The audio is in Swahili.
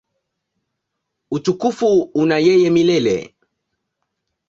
Utukufu una yeye milele.